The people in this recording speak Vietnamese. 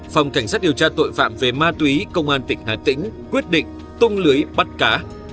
phòng cảnh sát điều tra tội phạm về ma túy công an tỉnh hà tĩnh quyết định tung lưới bắt cá